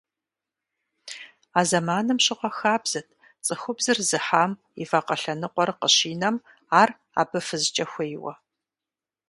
А зэманым щыгъуэ хабзэт цӀыхубзыр зыхьам и вакъэ лъэныкъуэр къыщинэм ар абы фызкӀэ хуейуэ.